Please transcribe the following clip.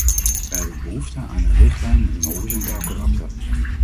Wij hebben behoefte aan een richtlijn met een horizontaal karakter.